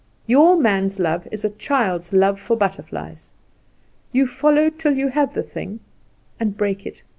Your man's love is a child's love for butterflies. You follow till you have the thing, and break it.